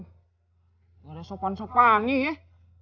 gak ada sopan sopan nih